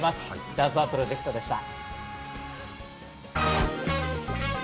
ダンスＯＮＥプロジェクトでした。